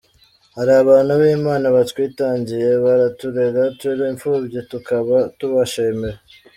Hari abantu b’Imana batwitangiye baraturera turi imfubyi tukaba tubashimira.